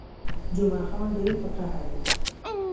جمعه خان ډېر په قهر وو.